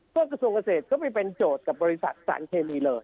ก็กระทรวงเกษตรก็ไม่เป็นโจทย์กับบริษัทสารเคมีเลย